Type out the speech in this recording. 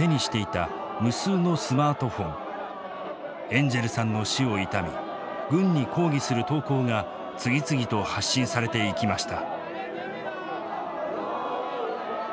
エンジェルさんの死を悼み軍に抗議する投稿が次々と発信されていきました。